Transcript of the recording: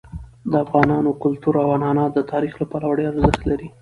د افغانانو کلتور او عنعنات د تاریخ له پلوه ډېر ارزښت لري.